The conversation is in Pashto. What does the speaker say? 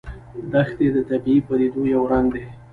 دښتې د طبیعي پدیدو یو رنګ دی.